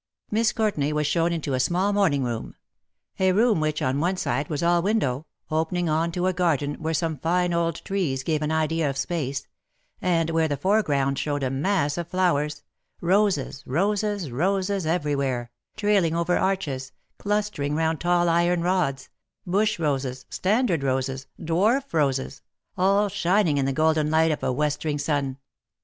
Miss Courtenay was shown into a small morning room — a room which on one side was all window — opening on to a garden, where some fine old trees gave an idea of space — and where the foreground showed a mass of flowers — roses — roses — roses everywhere — trailing over arches — clustering round tall iron rods — bush roses — standard roses — dwarf roses — all shining in the golden light of a westering sun.